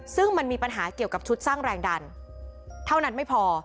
ซึ่งมันมีปัญหาเกี่ยวกับชุดสร้างแรงดันเท่านั้นไม่พอ